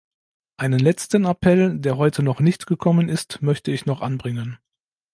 Einen letzten Appell, der heute noch nicht gekommen ist, möchte ich noch anbringen.